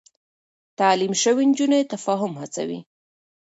تعليم شوې نجونې تفاهم هڅوي.